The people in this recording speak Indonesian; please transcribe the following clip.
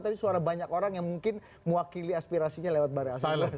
tapi suara banyak orang yang mungkin mewakili aspirasinya lewat baris asing